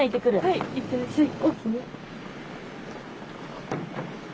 はいいってらっしゃい。